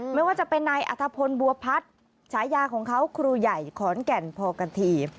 ไม่ว่าจะเป็นนายอัธพลบัวพัฒน์ฉายาของเขาครูใหญ่ขอนแก่นพอกันที